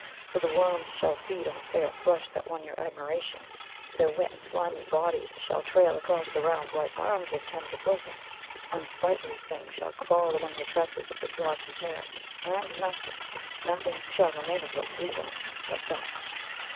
For the worms shall feed on the fair flesh that won your admiration their wet and slimy bodies shall trail across the round white arms and tender bosom unsightly things shall crawl among the tresses of the glossy hair; and nothing, nothing shall remain of what you loved, but dust.